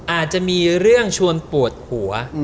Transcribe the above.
อาจจะมีเรื่องชวนปวดหัว